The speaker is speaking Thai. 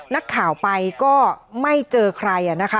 นักข่าวไปก็ไม่เจอใครนะคะ